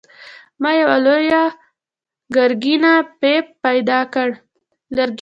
ما یوه لویه لرګینه پیپ پیدا کړه.